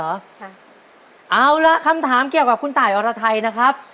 เอาละคำถามเกี่ยวกับคุณตายอรไทยนะครับ